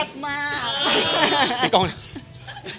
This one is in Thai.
ที่ว่ากรงก่อนเนี่ย